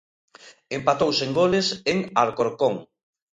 Empatou sen goles en Alcorcón.